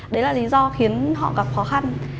đấy là lý do khiến họ gặp khó khăn